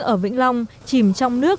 ở vĩnh long chìm trong nước